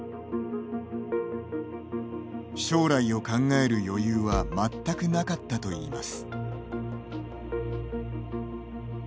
将来を考える余裕は全くなかったといいます。